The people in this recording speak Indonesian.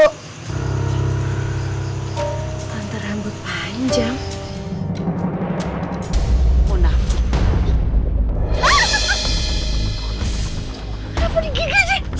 tante rambut panjang